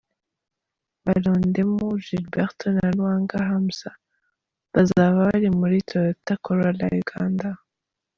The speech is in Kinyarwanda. Balondemo Gilberto na Lwanga Hamza bazaba bari muri Toyota Corolla-Uganda.